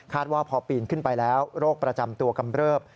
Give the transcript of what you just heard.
ว่าพอปีนขึ้นไปแล้วโรคประจำตัวกำเริบ